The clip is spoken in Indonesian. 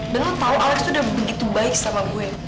dan lo tau alex tuh udah begitu baik sama gue